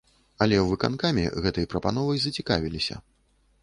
Але ў выканкаме гэтай прапановай зацікавіліся.